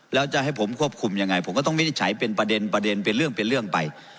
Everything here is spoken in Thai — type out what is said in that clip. แล้วจะให้ผมควบคุมยังไงผมก็ต้องวินิจฉัยเป็นประเด็นประเด็นเป็นเรื่องเป็นเรื่องไป